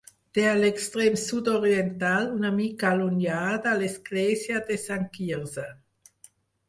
Té a l'extrem sud-oriental, una mica allunyada, l'església de Sant Quirze.